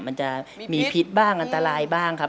มันจะมีพิษบ้างอันตรายบ้างครับ